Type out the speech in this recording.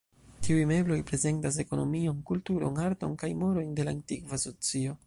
Tiuj mebloj prezentas ekonomion, kulturon, arton kaj morojn de la antikva socio.